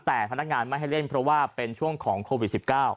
แต่พนักงานไม่ให้เล่นเพราะว่าเป็นช่วงของโควิด๑๙